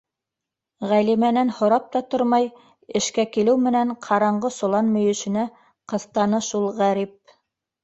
Ғәлимәнән һорап та тормай, эшкә килеү менән ҡараңғы солан мөйөшөнә ҡыҫтаны шул ғәрип.